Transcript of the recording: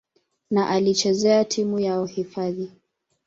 na alichezea timu yao hifadhi.